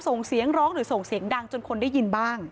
ส่งเสียงร้องหรือส่งเสียงดังจนคนได้ยินบ้าง